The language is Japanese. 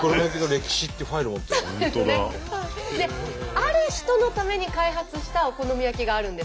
ある人のために開発したお好み焼きがあるんです。